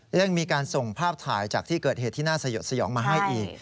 ที่น่าสะยกสะเยาห์งมาให้อีก